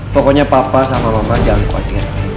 pokoknya papa sama mama jangan khawatir